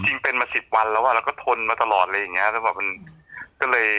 จริงเป็นมาสิบวันแล้วอ่ะแล้วก็ทนมาตลอดอะไรอย่างเงี้ย